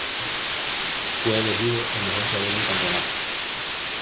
Fue elegido el mejor jugador del campeonato.